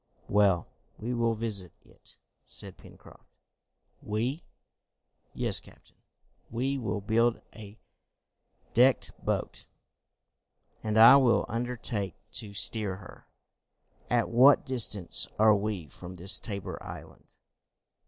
"Well, we will visit it," said Pencroft. "We?" "Yes, captain. We will build a decked boat, and I will undertake to steer her. At what distance are we from this Tabor Island?"